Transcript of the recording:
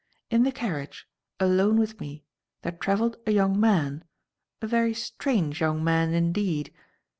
In the carriage, alone with me, there travelled a young man, a very strange young man indeed.